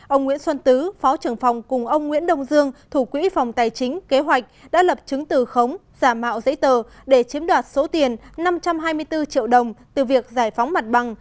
ông nguyễn xuân tứ phó trưởng phòng cùng ông nguyễn đông dương thủ quỹ phòng tài chính kế hoạch đã lập chứng từ khống giả mạo giấy tờ để chiếm đoạt số tiền năm trăm hai mươi bốn triệu đồng từ việc giải phóng mặt bằng